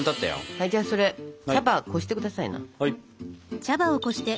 はいじゃあそれ茶葉こして下さいな。